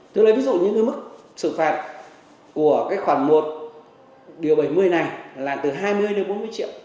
thứ lấy ví dụ như mức xử phạt của khoảng một điều bảy mươi này là từ hai mươi đến bốn mươi triệu